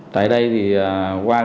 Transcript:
tại đây thì qua